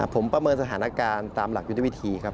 ผมประเมินสถานการณ์ตามหลักยุทธวิธีครับ